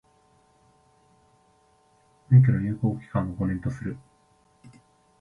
免許の有効期間は、五年とする。